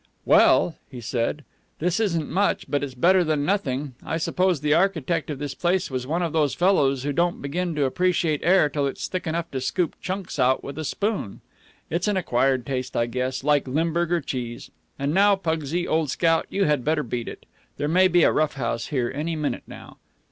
"Well," he said, "this isn't much, but it's better than nothing. I suppose the architect of this place was one of those fellows who don't begin to appreciate air till it's thick enough to scoop chunks out with a spoon. It's an acquired taste, I guess, like Limburger cheese. And now, Pugsy, old scout, you had better beat it. There may be a rough house here any minute now."